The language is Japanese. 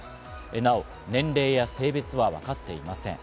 なお、年齢や性別は分かっていません。